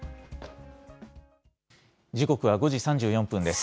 時刻は５時３４分です。